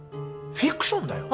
フィクションだよ？